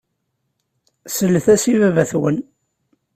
Sellet-as i baba-twen.